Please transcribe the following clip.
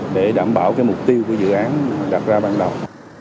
để đảm bảo mục tiêu của dự án đặt ra ban đầu